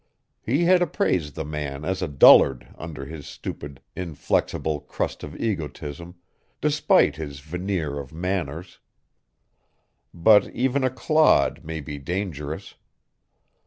He had appraised the man as a dullard under his stupid, inflexible crust of egotism, despite his veneer of manners. But even a clod may be dangerous.